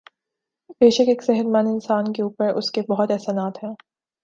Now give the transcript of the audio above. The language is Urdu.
بیشک ایک صحت مند اانسان کے اوپر اسکے بہت احسانات ہیں